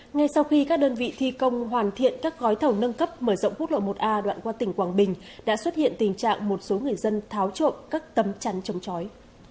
ngay sau khi các đơn vị thi công hoàn thiện các gói thầu nâng cấp mở rộng quốc lộ một a đoạn qua tỉnh quảng bình đã xuất hiện tình trạng một số người dân tháo trộm các tấm chắn chống chói